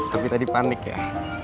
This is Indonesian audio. tapi tadi panik ya